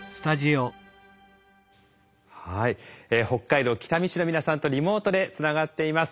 はい北海道北見市の皆さんとリモートでつながっています。